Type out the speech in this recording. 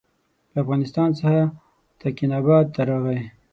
له افغانستان څخه تکیناباد ته راغی.